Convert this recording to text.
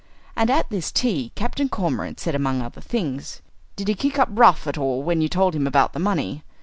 And at this tea Captain Cormorant said, among other things, "Did he kick up rough at all when you told him about the money?"